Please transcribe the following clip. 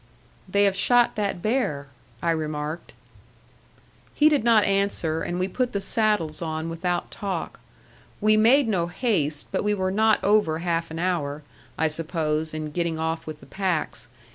"They have shot that bear," I remarked. He did not answer, and we put the saddles on without talk. We made no haste, but we were not over half an hour, I suppose, in getting off with the packs.